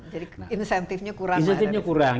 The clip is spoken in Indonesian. jadi insentifnya kurang